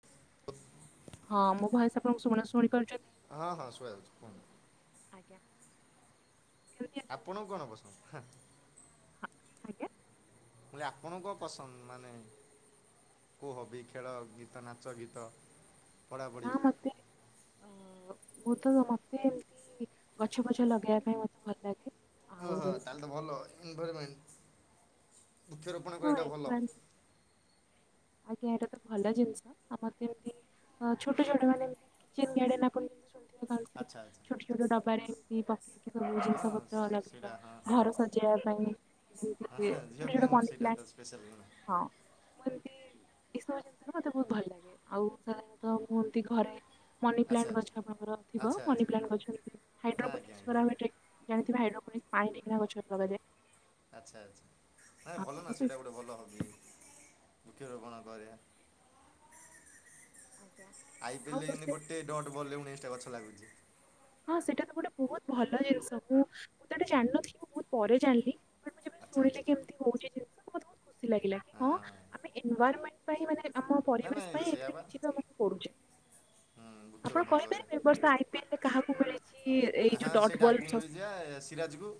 [inaudible] ହଁ ମୋ ଭଏସ ଆପଣଙ୍କୁ ଶୁଣା ଶୁଣି ପାରୁଛନ୍ତି। ହଁ ହଁ ଶୁଣାଯାଉଛି କୁହନ୍ତୁ। ଆଜ୍ଞା। କେମିତି ଆପଣଙ୍କୁ କଣ ପସନ୍ଦ ହେଁ। ହ ଆଜ୍ଞା। ମୁଁ କଲି ଆପଣଙ୍କୁ କଣ ପସନ୍ଦ ମାନେ କୁ ହବି ଖେଳ ଗୀତ ନାଚ ଗୀତ ନା ପଢ଼ାପଢ଼ି ମତେ ଅ ମୁ ତ ମତେ ଏମତି ଗଛ ପଛ ଲଗେଇବା ପାଇଁ ମ ଭଲ ଲାଗେ। ଓ ହୋ ତାହେଲେ ତ ଭଲ ଏନଭାରମେଣ୍ଟ ହଁ [unintelligible] ଆଜ୍ଞା ଏଇଟା ତ ଭଲ ଜିନିଷ ଆ ମତେ ଏମତି ହଁ ଛୋଟ ଛୋଟ ମାନେ [unintelligible] ଆଚ୍ଛା ଆଚ୍ଛା। ଛୋଟ ଛୋଟ ଡବାରେ କି ପ କି ସବୁ ଜିନିଷ ହଁ ପତ୍ର ଲଗେଇବା ସେଇଟା ହଁ ହଁ ଘର ହଁ ସଜେଇବା ପାଇଁ ଯେମିତି ହଁ କି ହଁ ଝିଅ ଛୋଟ ଛୋଟ ପିଲାଙ୍କର ମନି ସେଇଟା ତ ସ୍ପେଶାଲ୍ ଗୁଣ ପ୍ଲାଣ୍ଟ ହଁ ମୁଁ ଏମିତି ଏଇସବୁ ଜିନିଷରେ ମତେ ବହୁତ ଭଲ ଲାଗେ ଆଉ ସାଧାରଣତଃ ମୁଁ ଏମତି ଘରେ ମନି ଆଚ୍ଛା ପ୍ଲାଣ୍ଟ ଆଚ୍ଛା ଗଛ ଆପଣଙ୍କର ଥିବ ଆଚ୍ଛା ମନି ଆଚ୍ଛା ପ୍ଲାଣ୍ଟ ଗଛ ଯେମିତି ହଁ ଆଜ୍ଞା ହାଇଡ୍ରୋକ୍ଲୋନିକ୍ସ ଆଜ୍ଞା କରାହୁଏ ଟି ଜାଣିଥିବ ହାଇଡ୍ରୋ ପାଣିରେ କିନା ଗଛରେଲଗାଯାଏ ଆଚ୍ଛା ଆଚ୍ଛା ନାଇଁ ତ ଭଲ ନା ମୁଁ ସେ ସେଇଟା ଗୋଟେ ଭଲ ହବି ବୃକ୍ଷରୋପଣ କରିବା ଆଜ୍ଞା ଆଉ ଆଇପିଏଲରେହେମତି ରୋଷେଇ ଗୋଟେ ଡଟ୍ ବଲ୍ ରେ ଉଣେଇଶି ଟା ଗଛ ଲାଗୁଛି ହଁ ସେଇଟା ତ ଗୋଟେ ବହୁତ ଭଲ ଜିନିଷ ମୁଁ ମୁଁ ତ ଏଟା ଜାଣିନଥିଲି ମୁଁ ବହୁତ ପରେ ଜାଣିଲି ମୁଁ ଆଚ୍ଛା ଶୁଣିଲି ଆଚ୍ଛା କିମିତି ହଉଛି ଜିଷ ମତେତ ଖୁସି ଲାଗିଲା କି ହଁ ଆମେ ଏନଭରଣ୍ ପାଇଁ ମାନେ ଆମ ନା ନାଇଁ ପରିବେଶ ପାଇଁ ସେଇଆ ଏଥିରେ ବା କିଛି ବି ଆମକୁ ପୋଡୁଛେ ହୁଁ ଆପଣ ବୃକ୍ଷରୋପଣ କରିବା କହିପାରିବେ ବର୍ଷ ଆଇ ପିଏଲ ରେ କାହାକୁ ମିଳେ ହଁ ସେଇଟା ଆକୁ ମିଳିଯିବା ସିରାଜ କୁ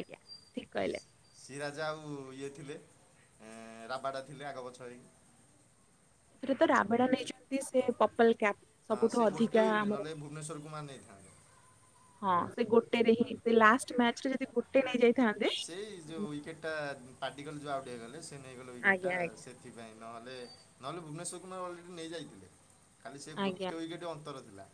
ଆଜ୍ଞା ଠିକ କହିଲେ। ସି ରାଜା ଆଉ ଇଏ ଥିଲେ ଆ ରାବାଟା ଥିଲେ ଆଗ ବଛ ହେଇକି ଏଥିରେ ତ ରାବଡା ନେଇଛନ୍ତି ସେ ପପଲ କ୍ୟାପ। ହଁ ସେ ଗୋଟେ ୱିକେଟ୍ ନହେଲେ ଭୁବନେଶ୍ୱର କୁମାର ନେଇଥାନ୍ତେ। ହଁ ସେ ଗୋଟେରେ ହିଁ ସେ ଲାଷ୍ଟ ମ୍ୟାଚରେ। ଯଦି ଗୋଟେ ନେଇ ଯାଇଥାନ୍ତି। ସେଇ ଯୋଉ ୱିକେଟ୍ ଟା ପାର୍ଟିକଲ ଯୋଉ ଆଉଟ୍ ହେଇଗଲେ ସେ ନେଇଗଲେ ୱିକେଟ ଆଜ୍ଞା ଟା ଆଜ୍ଞା। ସେ ସେଥିପାଇଁ ନହେଲେ ନହେଲେ ଭୁବନେଶ୍ୱର କୁମାର ଅଲରେଡି ନେଇ ଯାଇଥିଲେ। ଖାଲି ସେ ଆଜ୍ଞା ଗୋଟେ ୱିକେଟ୍ ଅନ୍ତର ଥିଲା।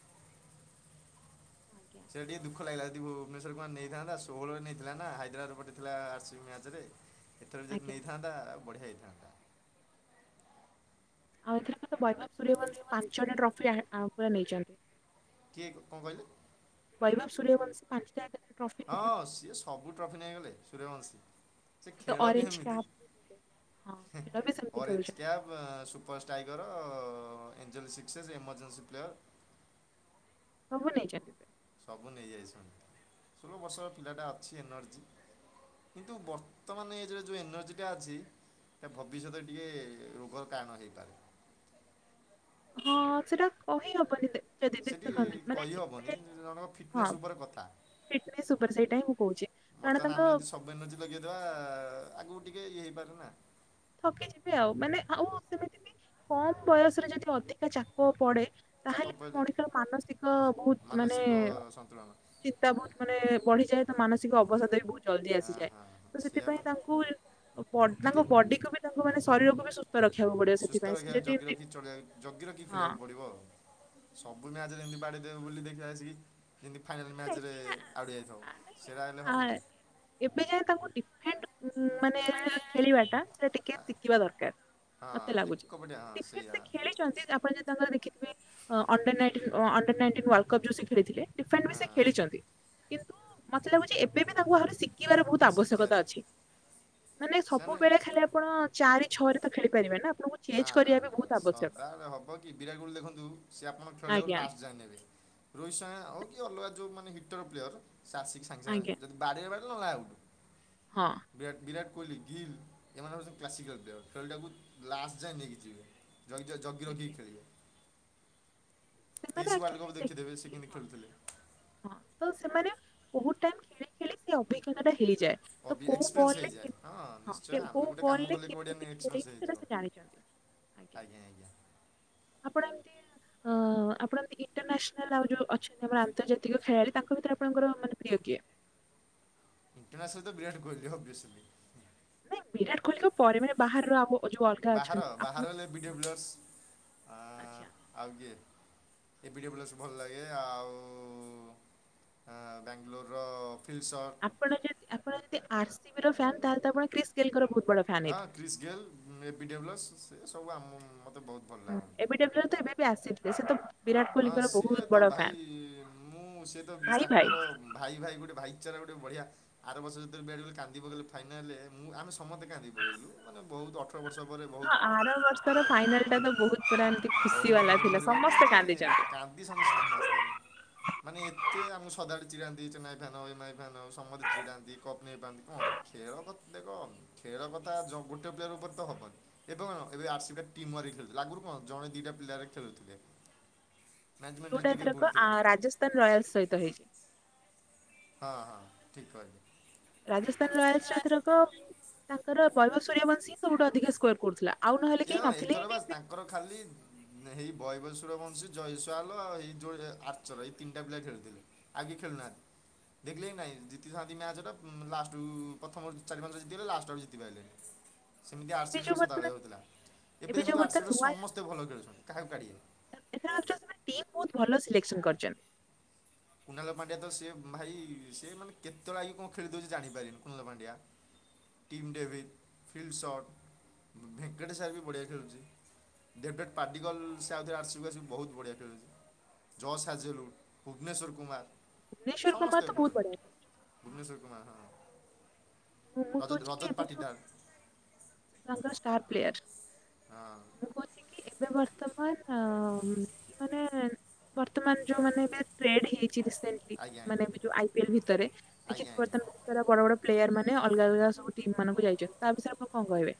ଆଜ୍ଞା ସେଇ ଟିକେ ଦୁଖ ଲାଗିଲା। ଯଦି ଭୁବନେଶ୍ୱର୍ କୁମାର ନେଇଥାନ୍ତା ଷୋହଳରେ ନେଇଥିଲା ନା ହାଇଦ୍ରାବାଦ ପଟେ ଥିଲା ଆର ସି ବି ମ୍ୟାଚ ରେ। ଏଥର ଯଦି ଆଜ୍ଞା ନେଇଥାନ୍ତା ବଢ଼ିଆ ହେଇଥାନ୍ତା। ଆଉ ଏଥିରେ ମ [unintelligible] ବୈଭବ ସୂର୍ଯ୍ୟବଂଶୀ ପାଞ୍ଚଟା ଟ୍ରଫି ଆ ଆ [unintelligible] ପୁରା ନେଇଛନ୍ତି। କିଏ କଣ କହିଲେ। ବୈଭବ ସୂରିଆବଂସିପାଞ୍ଚଟା ହଁ ସିଏ ସବୁ ଟ୍ରଫି ନେଇଗଲେ ସୂରିୟବଂଶୀ। ସେ ତ ଖେଳ ବି ଅରେଞ୍ଜ ହେମିତି କ୍ୟାପ୍ ହଁ ହେ ଖେଳ ବି ସେମିତି ଅରେଞ୍ଜ ଖେଳୁଛନ୍ତି କ୍ୟାପ୍। ପ super striker angel sixes emergency player. ସବୁ ନେଇଛନ୍ତି। ସବୁ ନେଇଯାଇଛନ୍ତି, ଷୋହଳ ବର୍ଷର ପିଲାଟା ଅଛି ଏନର୍ଜି। କିନ୍ତୁ ବର୍ତ୍ତମାନ ଏଜରେ ଯେଉଁ ଏନର୍ଜିଟା ଅଛି। ସେ ଭବିଷ୍ୟତରେ ଟିକେ ରୋଗର କାରଣ ହେଇପାରେ। ହଁ ସେଟା କହିହବନି ତ। ସେଠି କହିହବନି ଜଣଙ୍କ ଫିଟନେସ୍ ଉପରେ କଥା। ଜଣେ ସୁପର ସେଇଟା ହିଁ ମୁଁ କହୁଛି। କାରଣ ତାଙ୍କ ବେନଜି ଲଗେଇଦବା ଆଗକୁ ଟିକେ ଇଏ ହେଇପାରେ ନା। ଥକିଯିବେ ଆଉ ମାନେ ଆଉ ସେମିତି ବି କମ ବୟସରେ ଯଦି ଅଧିକା ଚାପ ପଡେ। ଚାପ ତାହେଲେ ବି ପଡ଼ିଲେ ମଣିଷର ମାନସିକ ବହୁତ ମାନେ ମାନସିକ ସନ୍ତୁଳନ ଚିନ୍ତା ବହୁତ ମାନେ ବଢିଯାଏ ତ, ମାନସିକ ଅବସାଦ ବି ବହୁ ଜଲଦି ହଁ ଆସିଯାଏ, ହଁ ହଁ ତ ସେଇଆ ସେଥିପାଇଁ ପରା ତାଙ୍କୁ ଟିକେ ତାଙ୍କ ବଡି କୁ ବି ତାଙ୍କ ମାନେ ଶରୀରକୁ ବି ସୁ ସ୍ଥ ରଖିବାକୁ ପଡେ। ସୁସ୍ଥ ରଖିବା ଜଗି ରଖି ଚଳିଆ ଜଗି ରଖି ହଁ ଖେଳିବାକୁ ପଡ଼ିବ ଆଉ ସବୁ ମ୍ୟାଚରେ ଏମତି ବାଦଡେଇଦବ ବୋଲି ଦେଖିବା ଆସିକି ଫାଇନାଲ ନାଇଁ ମ୍ୟାଚରେ ସିଏ ଆ- ଆଉଟ ହେଇଯାଇ ଥିବ। ଆ- ନାଇଁ ଆ ଏବେ ଯାଏ ତାକୁ ଡିଫରେଣ୍ଟ ଉ ମାନେ ଖେଳିବାଟା। ଟିକେ ଶିଖିବା ଦରକାର ହଁ ମତେ ଲାଗୁଛି ଏକପଟିଆ ହଁ କ୍ରିକେଟ ସେଇଆ ସେ ଖେଳି ଛନ୍ତି ଆପଣ ଯଦି ତାଙ୍କର ଦେଖିବେ। ସେ under nineteen under nineteen world cup ଜୋ ସେ ଖେଳିଥିଲେ ଡିଫେଣ୍ଡ ବି ହଁ ସେ ଖେଳିଛନ୍ତି। କିନ୍ତୁ। ମତେ ଲାଗୁଛି ଏବେ ବି ତାଙ୍କୁ ଆହୁରି ସି ଶିଖିବାର ବହୁତ ଆବଶ୍ୟକତା ଅଛି। ମାନେ ସେମାନେ ସବୁବେଳେ ଖାଲି ଆପଣ ଚାରି ଛ ରେ ତ ଖେଳିପାରିବେ ନା ଆପଣଙ୍କୁ ନା ଚେଞ୍ଜ ନା କରିବା ବି ନା ବହୁତ ଆବଶ୍ୟକ। ସଦାବେଳେ ହବ କି ବିରାଟ କୋହଲି ଦେଖନ୍ତୁ। ସିଏ ଆପଣ ଖେଳିଟାକୁ ଆଜ୍ଞା ଲାଷ୍ଟ ଯାଇ ନେବେ। ରୋହିତ ସଙ୍ଗୟ ହେଉ କି ଅଲଗା ଯେଉଁ ମାନେ ହିଟର ପ୍ଲେୟର୍। ସେ ଆସିକି ସାଙ୍ଗେ ଆଜ୍ଞା ସାଙ୍ଗେ ଯଦି ବାଡ଼ିଇବା ବାଡ଼େ ନହେଲେ ଆଉଟୁ। ହଁ। ବିରାଟ୍- ବିରାଟ୍ କୋହଲି, ଗିଲ୍ ଏମାନେ ହଉଚନ୍ତି କ୍ଲାସିକାଲ୍ ପ୍ଲେୟର୍ ଖେଳଟାକୁ ଲାଷ୍ଟ୍ ଯାଏଁ ନେଇକି ଯିବେ। ଜଗି- ଜ-ଜଗି ରଖି ଆଜ୍ଞା କି ଖେଳିବେ। ସେମାନେ ତେଇଶି ୱାର୍ଲଡ୍ ଆକ୍ଚୁଆଲି କପ୍ ଦେଖିଦେବେ ସିଏ ଦେଖିକି କେନ୍ତି ହଁ ଖେଳୁଥିଲେ। ହଁ ତ ସେମାନେ ବହୁତ୍ ଟାଇମ୍ ଖେଳି ଖେଳି ସେ ଅଭିଜ୍ଞତା ଟା ହେଇଯାଏ। ତ ଅଭି- କୋଉ ଏକ୍ସପିରିଏନ୍ସ ବଲରେ ହେଇଯାଏ। କେମି ହଁ ନିଶ୍ଚୟ କେ- କୋଉ ଆମେ ଗୋଟେ କାମ ବଲରେ କଲେ କଉଠି କେମିତି ଖେଳିବେ ଏକ୍ସପିରିଏନ୍ସ ସେଟା ହେଇଯିବ। ସେ ଜାଣିଛନ୍ତି। ଆଜ୍ଞା -ଆଜ୍ଞା। [inaudible] ହଁ ଆପଣ ଇଣ୍ଟରନାସନାଲ୍ ଆଉ ଯଉ ଅଛନ୍ତି ଆମର ଆନ୍ତର୍ଜାତିକ ଖେଳାଳି ତାଙ୍କ ଭିତରେ ଆପଣଙ୍କର ମାନେ ପ୍ରିୟ କିଏ? ଇଣ୍ଟରନାସନାଲ୍ ତ ବିରାଟ୍ କୋହଲି ଓବେଶ୍ଲି। ନାଇଁ ବିରାଟ୍ କୋହଲିଙ୍କ ପରେ ମାନେ ବାହାରର ଆମ ବାହାର- ବାହାର ହେଲେ ଏବିଡ଼ିବ୍ଲିୟସ ଆଚ୍ଛା ଆଁ- ଆଉ କିଏ ଏବିଡିବ୍ଲିୟର୍ସ ଭଲ ଲାଗେ ଆଉ ହଁ- ବାଙ୍ଗାଲୋର ର ଫିଲ୍ସଟ୍ ଆପଣ ଯଦି ଆପଣ ଯଦି ଆର୍ ସି ବି ର ଫ୍ୟାନ୍ ତାହେଲେ ଆପଣ କ୍ରିସ୍ ଗେଲ୍ ଙ୍କର ବହୁତ୍ ବଡ ଫ୍ୟାନ୍ ହଁ ହେଇଥିବେ। କ୍ରିସ୍ ଗେଲ୍ ଏ ବିଡିବ୍ଲସ ସେ ସବୁ ଆମ ମତେ ବହୁତ୍ ହୁଁ ଏବେଡେବ୍ଲ ର ତ ଏବେ ବି ଆସିଥିଲେ ସେ ତ ବିରାଟ ହଁ କୋହଲିଙ୍କର ବହୁତ ସିଏ ତ ବଡ ଭାଇ ଫ୍ୟାନ୍। ମୁଁ ସିଏ ତ ଭାଇ ଭାଇ ବିଶ୍-ତାଙ୍କର ଭାଇ ଭାଇ ଗୋଟେ ଭାଇ ଚାରା ଗୋଟେ ବଢିଆ। ଆର ବର୍ଷ ଯେତବେଳେ ବ୍ୟାଟ ବଲେ କାନ୍ଦି ଆର୍ ବର୍ଷ ଯେତେ [unintelligible] ପକେଇଲେ ଫାଇନାଲ ମୁଁ ଆମେ ସମସ୍ତେ କାନ୍ଦି ପକେଇଲୁ ମାନେ ବହୁତ ଅଠର ବର୍ଷ ପରେ ହଁ ବହୁତ୍ ଆର ବର୍ଷର ଫାଇନାଲ୍ ଟା ତ ବହୁତ୍ ପୁରା ଏମିତି ଖୁସି ବାଲା ଥିଲା ସମସ୍ତେ କାନ୍ଦିଚନ୍ତି। କାନ୍ଦିଚନ୍ତି ସମସ୍ତେ। ମାନେ ଏତେ ଆମକୁ ସଦାବେଳେ ଚିଡ଼ାନ୍ତି ଚେନାଇ ଫ୍ୟାନ ଏମ୍ଆଇ ଫ୍ୟାନ ସମସ୍ତେ ଚିଡ଼ାନ୍ତି କପ୍ ନେଇପାଆନ୍ତି କଣ ଖେଳ କଥା ଦେଖ ଖେଳ କଥା ଯ-ଗୋଟେ ପ୍ଲେୟର ଉପରେ ତ ହବନି। ଏ କଣ ଏବେ ଆର୍ ସିବି ଟିମ୍ ୱାର୍କ ହେଇ ଖେଳୁଥିଲେ ଆଗରୁ କଣ ଜଣେ ଦିଇଟା ପ୍ଲେୟାର ଖେଳୁଥିଲେ। ମ୍ୟାନେଜମେଣ୍ଟ ଯଉଟା ଟିକେ ଭୁଲ ଏଥରକ ଥିଲା ଆ-ରାଜସ୍ଥାନ ରୟାଲସ୍ ସହିତ ହେଇଚି। ହଁ- ହଁ ଠିକ୍ କହିଲ। ରାଜସ୍ଥାନ ରୟାଲସ୍ ରେ ଏଥରକ ତାଙ୍କର ବୈଭବ ସୂର୍ଯ୍ୟବଂଶୀ ସବୁଠୁ ଅଧିକ ସ୍କୋର କରୁଥିଲା। ଆଉ ନହେଲେ ଏ କେହି ହଁ ନଥିଲେ ଏଥର ହିଁ ବା ଟିମ୍ ରେ। ତାଙ୍କର ଖାଲି ଏଇ ବୈଭବ ସୂର୍ୟବଂଶୀ, ଜଇଶ୍ଵାଲ ଆଉ ଏଇ ଯଉ ଏ-ଆର୍ଚର ଏଇ ତିନିଟା ପିଲା ଖେଳିଥିଲେ। ଆଉ କେହି ଖେଳୁ ନାହାନ୍ତି। ଦେଖିଲେ କି ନାଇଁ ଜିତିଥାନ୍ତି ମ୍ୟାଚ୍ ଟା ଲାଷ୍ଟ୍ ରୁ ପ୍ରଥମରୁ ଚାରି ପାଞ୍ଚ ଟା ଜିତିଗଲେ ଲାଷ୍ଟ୍ ଆଡକୁ ଜିତିି ପାଇଲେନି। ସେମିତି ଆର୍ ଏବେ ସି ବି ଯୋଉ ସହ ବର୍ତ୍ତମାନ ସଦାବେଳେ ହଉଥିଲା ଏବେ ଯୋଉ ଦେଖନ୍ତୁ ଆର୍ ସି ବର୍ତ୍ତମାନ ବି ର ନୂଆ ସମସ୍ତେ ଭଲ ଖେଳୁଚନ୍ତି କାହାକୁ କାଢିିବେ ଏଥରକ ଟିମ୍ ବହୁତ୍ ଭଲ ସିଲେକ୍ସନ୍ କରିଚନ୍ତ୍। କୁନାଲ ପାଣ୍ଡିଆ ତ ସିଏ ଭାଇ ସେ ମାନେ କେତେବେଳେ ଆଇକି କଣ ଖେଳିଦଉଚି ଜାଣିପାରିବିନି Kunal Pandya. Team David, field short, Venkatesh ଆର୍ ବି ବଢ଼ିଆ ଖେଳୁଚି। ଡେଭିଡ୍ ପାର୍ଟିକଲସ୍ ଆଉ ଥରେ ଆର୍ ସି ବି କୁ ଆସି ବହୁତ୍ ବଢିଆ ଖେଳୁଚି ଜସ୍ ହାଜେଲ୍ଉଡ୍ ଭୁବନେଶ୍ୱର କୁମାର୍ ଭୁବନେଶ୍ୱର କୁମାର ସମସ୍ତେ ତ ଭଲ ବହୁତ ବଢିଆ ଖେଳୁଛି ହଁ ଭୁବନେଶ୍ୱର କୁମାର୍ -ହଁ। ମୁଁ ମୁଁ ରଜ- କହୁଛି କି ରଜତ୍ ଏବେ ଯୋଉ ପାଟିଦାର୍। ତାଙ୍କର ଷ୍ଟାର୍ ପ୍ଲେୟର୍ ହଁ ଏବେ ବର୍ତ୍ତମାନ ଅ-ମାନେ ବର୍ତ୍ତମାନ ଯଉମାନେ ଏବେ ଟ୍ରେଡ୍ ହେଇ ଚି [unintelligible] ଆଜ୍ଞା ଆଜ୍ଞା ମାନେ ଯଉ ଆଇିପିଏଲ୍ ଭିତରେ ଦେଖି ଆଜ୍ଞା ଆଜ୍ଞା ବର୍ତମାନ ବହୁତ୍ ସାରା ବଡ ବଡ ପ୍ଲେୟାର୍ ମାନେ ମାନେ ଅଲଗା ଅଲଗା ସବୁ ଟିମ୍ ମାନଙ୍କୁ ଯାଇଚନ୍ତି ତା ବିଷୟରେ ଆପଣ କଣ କହିବେ?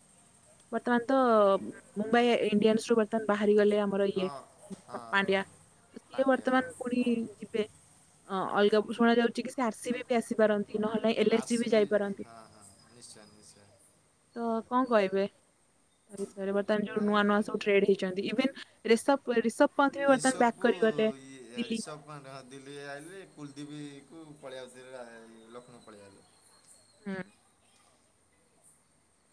ବର୍ତ୍ତମାନ୍ ତ ମୁମ୍ବାଇ ଇଣ୍ଡିଆନ୍ସ ରୁ ବର୍ତ୍ତମାନ୍ ବାହାରିଗଲେ ଆ ଆମର ଇଏ ହଁ ହଁ ହଁ ପାଣ୍ଡିଆ ତ ସିଏ ପାଣ୍ଡିଆ ହଁ ବର୍ତ୍ତମାନ ପୁଣି ଯିବେ ହଁ- ଅଲଗା ଶୁଣା ଯାଉଚି କି ସେ ଆର୍ ସି ବି କି ଆସିପାରନ୍ତି ନହେଲେ L R S C B ଯାଇ ହଁ- ହଁ ନିଶ୍ଚୟ- ନିଶ୍ଚୟ। ତ କଣ କହିବେ ତା ବିଷୟରେ ବର୍ତ୍ତମାନ୍ ଯଉ ନୂଆ ନାଇଁ ନୂଆ ସବୁ ଟ୍ରେଡ୍ ହେଇଚି? ଛନ୍ତି, ଇଭିନ୍ ରେଷଭ୍ ରିଷଭପନ୍ଥୀ ବି ବର୍ତ୍ତମାନ ବ୍ୟାକ୍ କରିଗଲେ ଦିଲ୍ଲୀ। ପାଣ୍ଠ୍ ହଁ ଦିଲ୍ଲୀ ଆଇଲେ କୁଲଦୀପକୁ ପଳେଇଆସିଲା ଲକ୍ଷ୍ନୌ ପଳେଇଆଇଲେ‌ ହଁ।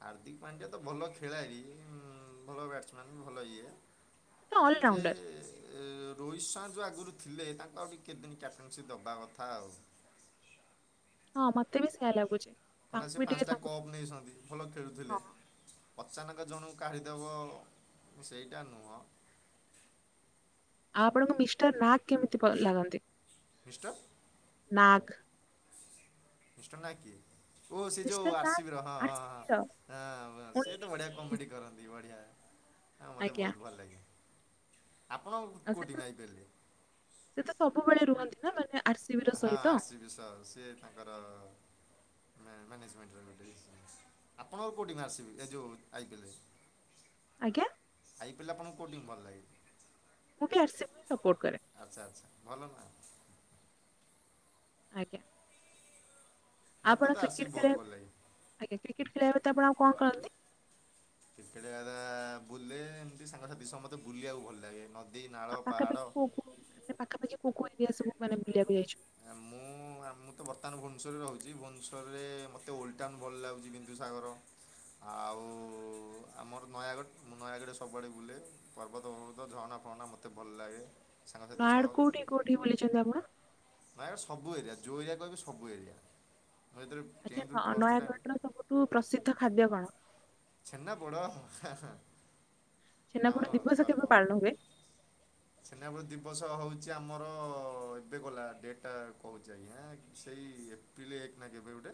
ହାର୍ଦ୍ଦିକ ପାଣ୍ଡ୍ୟାୟା ତ ଭଲ ଖେଳାଳି ଉଁ ଭଲ ବ୍ୟାଟ୍ସମ୍ୟାନ୍ ଭଲ ଇଏ ତ ଜେଏ ଅଲରାଉଣ୍ଡର ରୋହିତ ଶହା ଯଉଁ ଆଗରୁ ଥିଲେ ତାଙ୍କୁ ଆଉ ଟିକେ କେତେଦିନ କ୍ୟାପ୍ଟେନ୍ସି ଦେବା କଥା ଆଉ। ହଁ ମତେ ବି ସେୟା ଲାଗୁଛି। ମାନେ ତାଙ୍କୁ ସେ ବି ଟିକେ ପାଞ୍ଚଟା ତାଙ୍କୁ ଟିକେ କପ ନେଇଛନ୍ତି ଭଲ ହଁ ଖେଳୁଥିଲେ ଆଉ ଅଚାନକ ଜଣକୁ କାଳିି ଦବ ମୁଁ ସେଇଟା ନୁହଁ ଆଉ ଆପଣଙ୍କୁ ମିଷ୍ଟର ନାକ କେମିତି ପ ଲାଗନ୍ତି? ମିଷ୍ଟର ନାଗ ମିଷ୍ଟର ନା କିଏ? ଓ ସେ ମିଷ୍ଟର ଯୋଉ ନାଗ ଆର୍ଶିବିର ହଁ ଆରସିବିର ହଁ ହଁ ସିଏ ଓନ୍ଲି ତ ବଢିଆ ପ୍ଲିଜ କମେଡି କରନ୍ତି। ବଢ଼ିଆ ଆଉ ମୋତେ ଆଜ୍ଞା ବହୁତ ଭଲ ଲାଗେ ଆପଣ ଆଉ ସେ କୋଉ ତ ଟିମ ଆଇ ପି ଏଲ ରେ? ସେ ତ ସବୁବେଳେ ରୁହନ୍ତି ନା ମାନେ ଆର ସିବି ର ସହିତ। ବିଷ ସିଏ ତାଙ୍କର ନା ନା [unintelligible] ଆପଣଙ୍କର କୋଉ ଟିମ ଆର ସିବି ଏ ଯଉ ଆଇ ପି ଏଲ ରେ? ଆଜ୍ଞା। ଆଇ ପି ଏଲଟା ଆପଣଙ୍କୁ କୋଉ ଟିମ ଭଲ ଲାଗେ? ମୁଁ ବି ଆର ସିବକୁ ସପୋର୍ଟ କରେ। ଆଚ୍ଛା ଆଚ୍ଛା ଭଲ ନା। ଆଜ୍ଞା। ମୋତେ ଆପଣ ତ ଆର୍ ସି କ୍ରିକେଟ୍ ବି ବହୁତ ଖେଳିବା ଭଲ ଲାଗେ ଆଜ୍ଞା କ୍ରିକେଟ୍ ଖେଳିବା ବ୍ୟତୀତ ଆପଣ ଆଉ କଣ କରନ୍ତି? କ୍ରିକେଟ [unintelligible] ବୁଲେ ଏମିତି ସାଙ୍ଗସାଥି ସମତେ ବୁଲିବାକୁ ଭଲ ଲାଗେ ନଦୀ ଆଉ ନାଳ ପାହାଡ଼ ପାଖାପାଖି କୋଉ କୋଉ ମାନେ ପାଖାପାଖି କୋଉ କୋଉ ଏରିଆ ସବୁ ମାନେ ବିଲିବାକୁ ଯାଇଛନ୍ତି? ଆ ମୁଁ ମୁଁ ଆମୁତ ବର୍ତ୍ତମାନ ଭୁବନେଶ୍ୱରରେ ରହୁଛି ଭୁବେଶ୍ୱରରେ ମୋତେ ଓଲ୍ଡ ଟାଉନ ଭଲ ଲାଗୁଛି ବିନ୍ଦୁସାଗର। ଆଉ ଆମର ନୟାଗଡ଼ ମୁଁ ନୟାଗଡ଼ରେ ସବୁଆଡ଼େ ବୁଲେ ପର୍ବତ ଫର୍ବତ ଝରଣା ଫରଣା ମତ ମତେ ଭଲ ଲାଗେ। ସାଙ୍ଗସାଥି ସହ ବାହାରେ କୋଉଠି କୋଉଠି ବୁଲିଛନ୍ତି ଆପଣ? ନାଇଁ ସବୁ ଏରିଆ ଯଉ ଏରିଆ କହିବୁ ସବୁ ଏରିଆ ମୁଁ ଯେତେବେଳେ ଆଚ୍ଛା ଟେନ୍ଥରୁ ପ୍ଲସ୍ ଟୁ ଟାଇମ୍ ନ-ନୟାଗଡ଼ର ସବୁଠୁ ପ୍ରସିଦ୍ଧ ଖାଦ୍ୟ କଣ? ଛେନା ପୋଡ଼ ହାଁ ହାଁ ଛେନାପୋଡ଼ ଆମର ଦିବସ କେବେ ଗର୍ବ। ପାଳନ ହୁଏ? ଛେନାପୋଡ଼ ଦିବସ ହଉଛି ଆମର ଏବେ ଗଲା ଡେଟା କହୁଛି ଆଜ୍ଞା ସେଇ ଏ ଏପ୍ରିଲ ଏକ ନା କେବେ ଗୋଟେ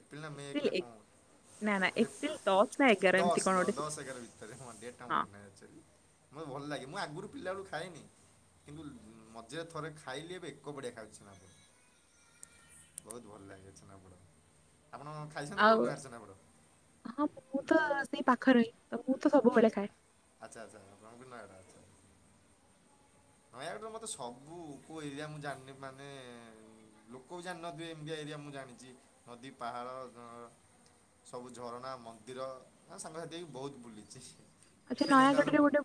ଏପ୍ରିଲ ନା ମେ ଏକ ନା କଣ ନା ନା [unintelligible] ଏପ୍ରିଲ ଦଶ ନା ଏଗାର ଏମିତି କଣ ଦଶ ଦ ଗୋଟେ ଥିଲା। ଦଶ ଏଗରା ଭିତରେ ହଁ ଡେଟା ମନେ ନାହିଁ ଆକଚୁଆଲି ମୋତେ ଭଲ ଲାଗେ ମୁଁ ଆଗରୁ ପିଲା ବଳୁ ଖାଇନି। କିନ୍ତୁ ଉଁ ମଝିରେ ଥରେ ଖାଇଲି ଏବେ ଏକ ବଢ଼ ଦେଖାଯାଉଛି ଛେନାପୋଡ଼ ବହୁତ ଭଲ ଲାଗେ ଛେନାପୋଡ ଆପଣ ଖାଇଛନ୍ତି ଆଉ କେବେ ନୟାଗଡ଼ ଛେନାପୋଡ? ହଁ ମୁଁ ତ ସେଇ ପାଖରେ ତ ମୁଁ ତ ସବୁବେଳେ ଖାଏ। ଆଚ୍ଛା ଆଚ୍ଛା, ଆପଣଙ୍କୁ ବି [unintelligible] ଅଛି। ନୟାଗଡ଼ର ମତେ ସବୁ କୋଉ ଏରିଆ ମୁଁ ଜାଣିନି ମାନେ ଲୋକ ବି ଜାଣିନଥିବେ ଏମିତି ଏରିଆ ମୁଁ ଜାଣିଛି ନଦୀ ପାହାଳ ଆଃ ସବୁ ଝରଣା ମନ୍ଦିର ସାଙ୍ଗସାଥି ବି ବହୁତ ବୁଲିଛି। ଆଚ୍ଛା ସେଇଥିପାଇଁ ତାପରେ ନୟାଗଡରେ ବ- ଗୋଟେ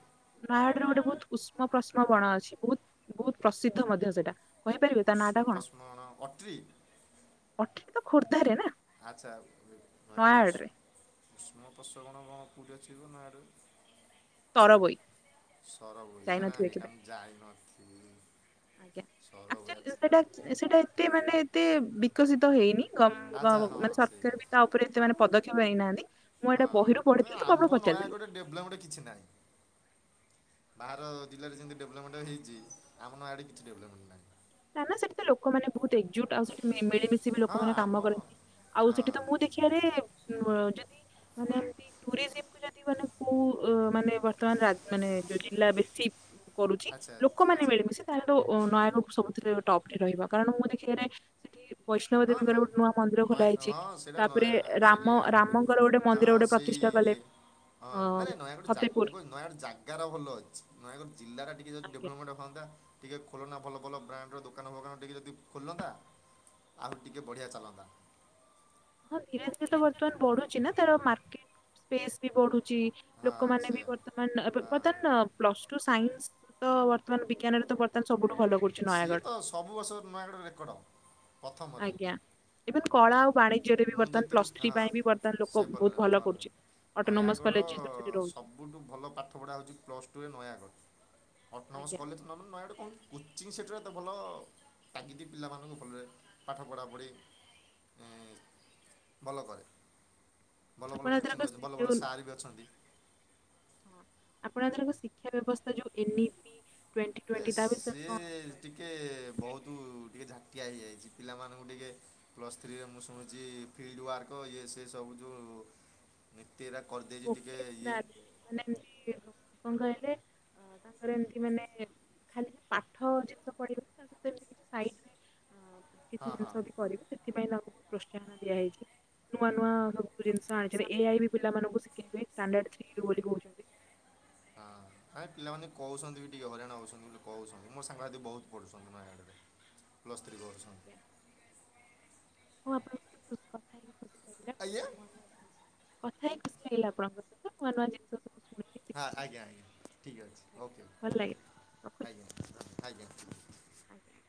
ନୟାଗଡରେ ଗୋଟେ ବହୁତ ଉଷ୍ମ ପ୍ରଷ୍ମ ବଣ ଅଛି ବହୁତ ବହୁତ ପ୍ରସିଦ୍ଧ ମଧ୍ୟ ସେଇଟା କହିପାରିବେ ତା ନା ଉଷ୍ମ ଟା କଣ ପ୍ରଶ୍ମ ଅଟ୍ରି ଅଠି ତ ଖୋର୍ଦ୍ଧାରେ ନା? ଆଚ୍ଛା ନୂଆଡ଼ୁ ଉଷ୍ ନୟାଗଡ଼ରେ ଉଷ୍ମ ପ୍ରଶବନ କଣ କଣ କେଉଁଠି ଅଛିିବ ନୂଆଡ଼ୁ? ତଳବୋଇ ସରବୋଇ ନା ନା ଯାଇନଥିବେ ସେଇଟା କେବେ? ମୁଁ ଯାଇନଥିଲି। ସରବୋଇ ଆଚ୍ଛା ଏକ୍ଟୁଆଲ୍ଲି ସେଟା ଏତେ ମାନେ ଏତେ ବିକଶିତ ହେଇନି। କ ଆଚ୍ଛା ହଁ ମାନେ ସେଇଆ ସରକାର ବି ତା ଉପରେ ଏତେ ମାନେ ପଦକ୍ଷେପ ନେଇନାହାନ୍ତି। ମୁଁ ଏଇଟା ବହିରୁ ପଢିଥିଲି ତ ମୁଁ ଆପଣଙ୍କୁ ପଚାରିଦେଲି? ଡେଭଲପ କିଛି ନାଇଁ। ବାହାର ଜିଲ୍ଲାରେ ଯେମିତି ଡେଭଲପମେଣ୍ଟ ହେଇଛି ଆମର ଆଡ଼େ କିଛି ଡେଭଲପମେଣ୍ଟ ନାହିଁ। ନା ନା ସେଠି ତ ଲୋକମାନେ ବହୁତ ଏକଜୁଟ ଆଉ ସେଠି ମିଳିମିଶି ବି ହଁ ଲୋକମାନେ ଆମ କାମ କରନ୍ତି ଆଉ ହଁ ସେଠି ତ ମୁଁ ଦେଖି ଯଦି ମାନେ ଏମିତି ଟୁରି ମାନ କୋଉ ମାନେ ବର୍ତ୍ତମାନ ମାନେ ଯୋଉ ଜିଲ୍ଲା ବେଶୀ କରୁଛି ଆଚ୍ଛା ଲୋକମାନେ ଆଚ୍ଛା ମିଳିମିଶି ତାହେଲେ ନୟାଗଡ଼ ସବୁଥିରେ ଟପରେ ରହିବ କାରଣ ମୁଁ ଦେଖିଆରେ ସେଠି ବୈଷ୍ଣବ ହଁ ନୟ ଦେବୀଙ୍କର ଗୋଟେ ନୂଆ ମନ୍ଦିର ନୟା ଖୋଲା ହେଇଛି ହଁ ସେଇଟା ନୟା ତାପରେ ସେଇଠି ରାମ ଆମ ରାମଙ୍କର ଗୋଟେ ମନ୍ଦିର ହଁ ଗୋଟେ ସେଇ ପ୍ରତିଷ୍ଠା କଲେ ଇଏ ହଁ ଅ ନାଇଁ ନାଇଁ ନୟାଗଡ଼ ଜା ମୁଁ ଫପିପୁର। କହିଲି ନୟାଗଡ଼ ଜାଗାର ଭଲ ଅଛି ନୟାଗଡ଼ ଜିଲ୍ଲା ଟିକେ ଯଦି ଆଜ୍ଞା। ଡେଭଲପମେଣ୍ଟ ହୁଅନ୍ତା। ଟିକେ ଖୋଲନା ଭଲ ଭଲ ବ୍ରାଣ୍ଡର ଦୋକାନ ଫୋକାନ ଟିକେ ଯଦି ଖୋଲନ୍ତା। ଆହୁ ଟିକେ ବଢ଼ିଆ ଚାଲନ୍ତା। ହଁ ଧୀରେ ଧୀରେ ତ ବର୍ତ୍ତମାନ ବଢୁଛି ନା ତାର ମାର୍କେଟ ସ୍ପେସ୍ ବି ବଢୁଛି। ହଁ ଲୋକମାନେ ବି ସେଇଆ ବର୍ତ୍ତମାନ ହଁ ବର୍ତ୍ତମାନ ପ୍ଲସ ଟୁ ସାଇନ୍ସ ତ ବର୍ତ୍ତମାନ ବିଜ୍ଞାନରେ ତ ବର୍ତ୍ତମାନ ସବୁଠୁ ଭଲ କରୁ ସିଏ ତ ସବୁ ବର୍ଷର ନୂଆ ଗଡ଼ ରେକର୍ଡ଼ ପ୍ରଥମରେ ଆଜ୍ଞା ଇଭେନ କଳା ଆଉ ବାଣୀ ଜ୍ୟରେ ମୁଁ ବର୍ତ୍ତମାନ ଯେତିକି ପ୍ଲସ୍ ଥ୍ରୀ ହଁ ପାଇଁ ବି ବର୍ତ୍ତମାନ ଲୋକ ବହୁତ ଭଲ କରୁଛି ଅଟୋନୋମସ ନୟାଗଡ଼ କଲେ ଯେହେତୁ ରହୁଛି। ସବୁଠୁ ଭଲ ପାଠପଢ଼ା ହେଉଛି ପ୍ଲସ୍ ଟୁରେ ନୟାଗଡ଼ ଅଟୋନମସ୍ ଆଜ୍ଞା କଲେଜ ତ ନେଲେ ନୟାଗଡ଼ କଣ କୋଚିଂ ସେଣ୍ଟର୍ ତ ଭଲ ଟାଗିଦ ପିଲାମାନଙ୍କୁ ଭଲରେ ପାଠ ପଢ଼ାପଢ଼ି ଏଁ, ଭଲ କରେ ଭଲ ଆପଣ ଭଲ ଏଥରକ କୋଚିଂ ଅଛି ସେ- ଭଲ ଯୋଉ ଭଲ ସାର୍ ବି ଅଛନ୍ତି। ଆପଣଙ୍କର ଶିକ୍ଷା ବ୍ୟବସ୍ଥା ଯୋଉ ଏନ୍ ଇ ପି ଟ୍ୱେଣ୍ଟି ଏ ଟ୍ୱେଣ୍ଟି ତା ବିଷୟରେ ସିଏ କଣ? କହିବେ? ଟିକେ ବହୁତ ଟିକେ ଝାଟିଆ ହେଇଯାଇଛି ପିଲାମାନଙ୍କୁ ଟିକେ ପ୍ଲସ୍ ଥ୍ରୀରେ ମୁଁ ଶୁଣୁଛି ଫିଲ୍ଡ ୱାର୍କ ଇଏ ସେ ସବୁ ଯୋଉ ଏତେ ଏରା କରିଦେଇଛି ଟିକେ ଇଏ ଭୋକେସନାଲ୍ ମାନେ ଏମତି କଣ କହିଲେ ଅ ତାଙ୍କର ଏମତି ମାନେ ଖା ପାଠ ଯେତେ ପଢିବୁ ସେତେ ସାଇଟରେ ହଁ କିଛି ହଁ ଜିନିଷ ବି କରିବୁ ସେଥିପାଇଁ ତାଙ୍କୁ ବହୁ ପ୍ରୋତ୍ସାହନ ଦିଆହେଇଛି ନୂଆ ନୂଆ ଜିନିଷ ଆଣିଛନ୍ତି ଏ ଆଇ ବି ପିଲାମାନଙ୍କୁ ଶିଖେଇବେ ଷ୍ଟାଣ୍ଡାର୍ଡ ଥ୍ରୀରୁ ବୋଲି କହୁଛନ୍ତି। ହଁ। ପ୍ରାୟ ପିଲାମାନେ କହୁଛନ୍ତି ବି ଟିକେ ହଇରାଣ ହଉଛନ୍ତି ବୋଲି କହୁଛନ୍ତି ମୋ ସାଙ୍ଗ ସାଥି ବହୁତ ପଢୁଛନ୍ତି ନୟାଗଡରେ। ପ୍ଲସ୍ ଥ୍ରୀ କରୁଛନ୍ତି। [unintelligible] ଆଜ୍ଞା। କଥା ହେଇ ଖୁସି ଲାଗିଲା ଆପଣଙ୍କ ସହିତ ନୂଆ ନୂଆ ଜିନିଷ ସବୁ ଶୁଣିଲି ହଁ ଶିଖିଲି ଆଜ୍ଞା ଆଜ୍ଞା ଠିକ ଅଛି ଆଜ୍ଞା ଓକେ ଭଲ ଲାଗିଲା ରଖୁଛି ଆଜ୍ଞା ଆଜ୍ଞା। ଆଜ୍ଞା।